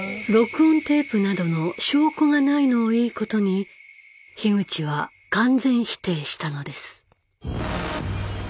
録音テープなどの証拠がないのをいいことに樋口は完全否定したのです。